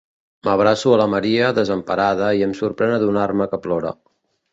M'abraço a la Maria, desemparada, i em sorprèn adonar-me que plora.